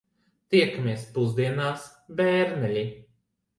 Tiekamies pusdienās, bērneļi.